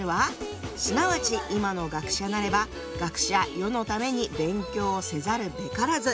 「すなわち今の学者なれば学者世のために勉強をせざるべからず」。